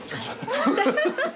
アハハハ。